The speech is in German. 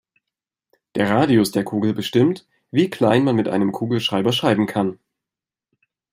Der Radius der Kugel bestimmt, wie klein man mit einem Kugelschreiber schreiben kann.